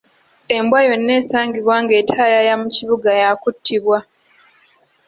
Embwa yonna esangibwa ng'etayaaya mu kibuga ya kuttibwa.